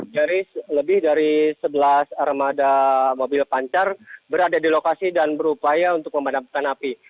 dari lebih dari sebelas armada mobil pancar berada di lokasi dan berupaya untuk memadamkan api